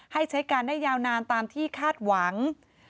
ให้ใช้การได้ยาวนานตามที่คาดหวัง